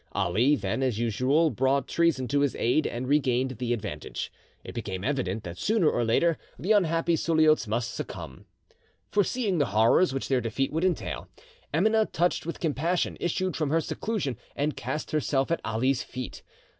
Ali then, as usual, brought treason to his aid, and regained the advantage. It became evident that, sooner or later, the unhappy Suliots must succumb. Foreseeing the horrors which their defeat would entail, Emineh, touched with compassion, issued from her seclusion and cast herself at Ali's feet.